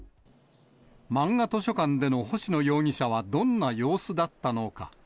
まんが図書館での星野容疑者はどんな様子だったのか。